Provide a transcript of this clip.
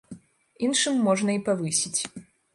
Іншым можна і павысіць.